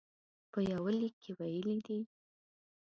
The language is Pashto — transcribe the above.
په یوه لیک کې ویلي دي.